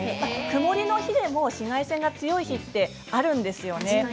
曇りの日でも紫外線が強い日がありますよね。